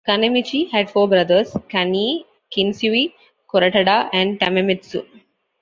Kanemichi had four brothers: Kaneie, Kinsue, Koretada, and Tamemitsu.